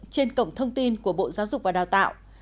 trên cổng thông tin của bộ giáo dục và đào tạo